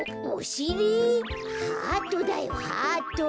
ハートだよハート。